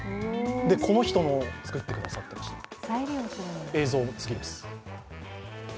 この人のも作ってくださっているらしいです。